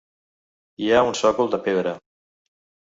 Hi ha un sòcol de pedra.